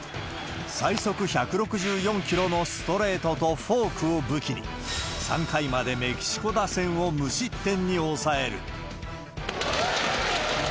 最速１６４キロのストレートとフォークを武器に、３回までメキシコ打線を無失点に抑える。